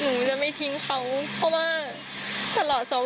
หนูจะไม่ทิ้งเขาเพราะว่า